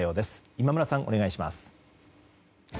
今村さん、お願いします。